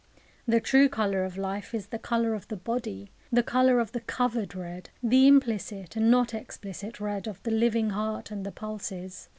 The true colour of life is the colour of the body, the colour of the covered red, the implicit and not explicit red of the living heart and the pulses.